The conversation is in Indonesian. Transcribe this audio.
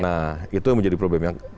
nah itu yang menjadi problemnya